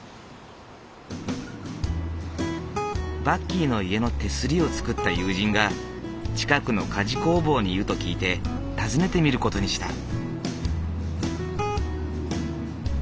バッキーの家の手すりを作った友人が近くの鍛冶工房にいると聞いて訪ねてみる事にした。